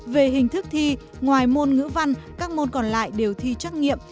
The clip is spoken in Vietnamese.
về hình thức thi ngoài môn ngữ văn các môn còn lại đều thi trắc nghiệm